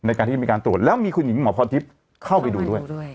ในการที่มีการตรวจแล้วมีคุณหญิงหมอพรทิพย์เข้าไปดูด้วย